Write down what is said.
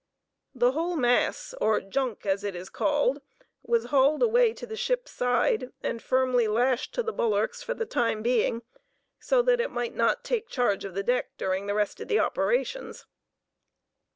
The whole mass, or "junk" as it is called, was hauled away to the ship's side and firmly lashed to the bulwarks for the time being, so that it might not "take charge" of the deck during the rest of the operations.